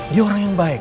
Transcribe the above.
dia orang yang baik